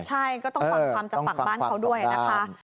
ใช่ก็ต้องฟังคำจากฝั่งบ้านเขาด้วยนะคะ